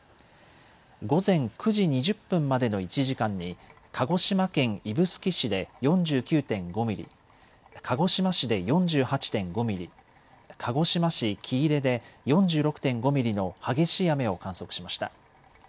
午前９時２０分までの１時間に鹿児島県指宿市で４９．５ミリ、鹿児島市で４８．５ミリ、鹿児島市喜入で４６．５ミリの激しい雨を観測しました。